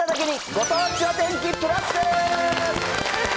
ご当地お天気プラスです。